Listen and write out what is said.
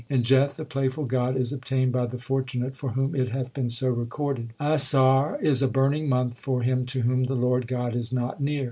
In Jeth the playful God is obtained by the fortunate for whom it hath been so recorded. Asarh 1 is a burning month for him to whom the Lord God is not near.